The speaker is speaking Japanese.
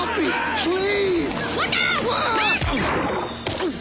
うっ！